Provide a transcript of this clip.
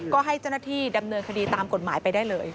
ก็ให้เจ้าหน้าที่ดำเนินคดีตามกฎหมายไปได้เลย